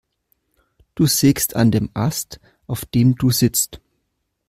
Du sägst an dem Ast, auf dem du sitzt.